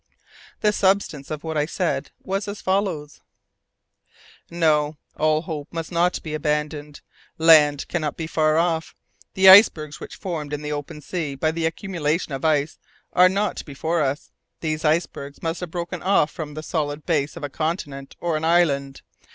The substance of what I said was as follows: "No! all hope must not be abandoned. Land cannot be far off. The icebergs which are formed in the open sea by the accumulation of ice are not before us. These icebergs must have broken off from the solid base of a continent or an island.